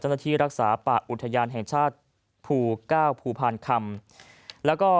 รักษาป่าอุทยานแห่งชาติภูเก้าภูพานคำแล้วก็